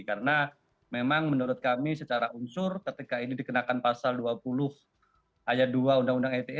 karena memang menurut kami secara unsur ketika ini dikenakan pasal dua puluh ayat dua undang undang eti